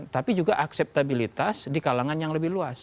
tapi juga akseptabilitas di kalangan yang lebih luas